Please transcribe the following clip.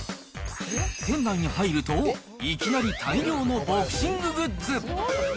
店内に入ると、いきなり大量のボクシンググッズ。